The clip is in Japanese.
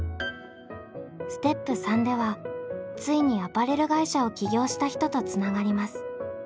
ステップ３ではついにアパレル会社を起業した人とつながります。